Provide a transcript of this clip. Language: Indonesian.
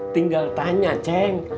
tinggal tanya ceng